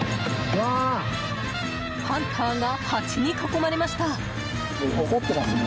ハンターがハチに囲まれました。